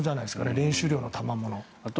練習量のたまもの。